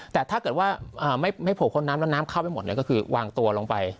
แต่ถ้าเกิดว่าไม่โผล่พ้นน้ำแล้วน้ำเข้าไปหมดก็คือวางตัวลงไป